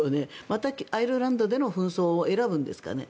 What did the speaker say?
またアイルランドでの紛争を選ぶんですかね？